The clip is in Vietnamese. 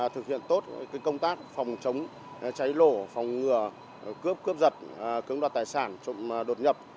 thực hiện tốt công tác phòng chống cháy nổ phòng ngừa cướp cướp giật cưỡng đoạt tài sản trộm đột nhập